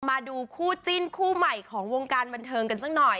มาดูคู่จิ้นคู่ใหม่ของวงการบันเทิงกันสักหน่อย